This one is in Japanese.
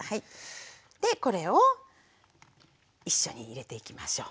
でこれを一緒に入れていきましょう。